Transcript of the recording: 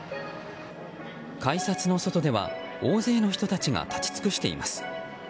改札の外では大勢の人たちが立ち尽くしています。